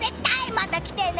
また来てね！